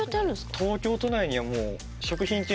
東京都内にはもうえ！